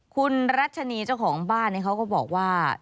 คุณรัชนีเจ้าของบ้านเขาก็บอกว่า